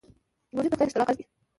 موزیک د خدای د ښکلا غږ دی.